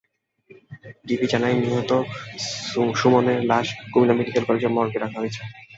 DB জানায়, নিহত সুমনের লাশ কুমিল্লা মেডিকেল কলেজের মর্গে রাখা হয়েছে।